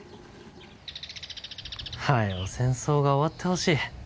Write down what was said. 早う戦争が終わってほしい。